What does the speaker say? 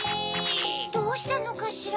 どうしたのかしら？